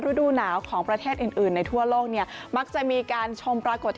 ฤดูหนาวของประเทศอื่นอื่นในทั่วโลกเนี่ยมักจะมีการชมปรากฏ